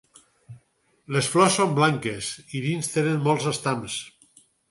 Les flors són blanques i dins tenen molts estams.